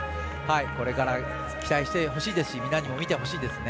これから期待してほしいですしみんなにも見てほしいですね。